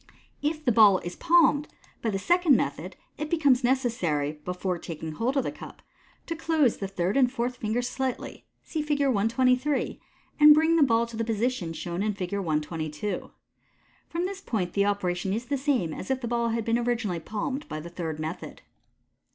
If the ball is palmed by ihe second method, it becomes ikc ^ary, before taking hold of the cup, to close the third and fourth ringers slightly (see Fig. 123). and bring the hall to the position shown in Fig. 122. From this point the operation is the same as if the ball had been originally palmed by the third method.